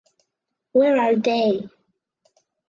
Where are They?